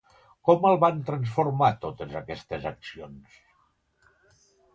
Com el van transformar totes aquestes accions?